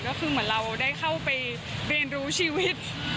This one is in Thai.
ก็คือเหมือนเราได้เข้าไปเรียนรู้ชีวิต